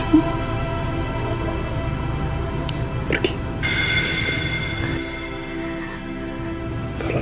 jangan bikirkan that we on